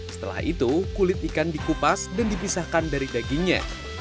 setelah itu kulit ikan dikupas dan dipisahkan dari dagingnya